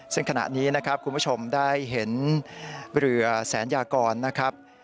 ซึ่งขณะนี้นะครับคุณผู้ชมได้เห็นเรือแสนยากรนะครับ